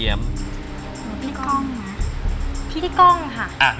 อียมขอบคุณครับ